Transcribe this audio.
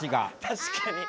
確かに。